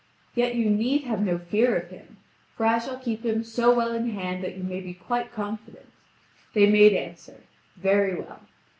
Yet you need have no fear of him! For I shall keep him so well in hand that you may be quite confident." They made answer: "Very well!"